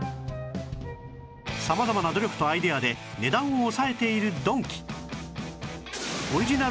様々な努力とアイデアで値段を抑えているドンキ